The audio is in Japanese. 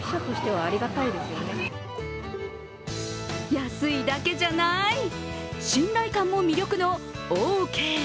安いだけじゃない、信頼感も魅力のオーケー。